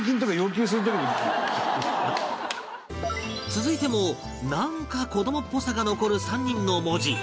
続いてもなんか子どもっぽさが残る３人の文字